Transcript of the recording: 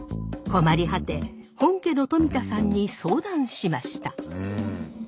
困り果て本家の富田さんに相談しました。